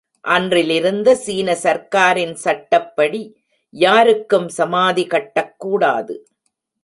அன்றிலிருந்த சீன சர்க்காரின் சட்டப்படி யாருக்கும் சமாதி கட்டக்கூடாது.